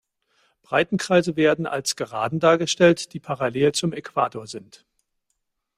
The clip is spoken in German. Breitenkreise werden als Geraden dargestellt, die parallel zum Äquator sind.